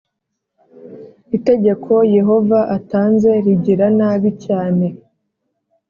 itegeko Yehova atanze rigira nabi cyane